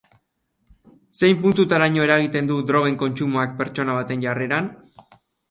Zein puntutaraino eragiten du drogen kontsumoak pertsona baten jarreran?